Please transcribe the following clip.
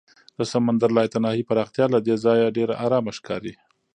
د سمندر لایتناهي پراختیا له دې ځایه ډېره ارامه ښکاري.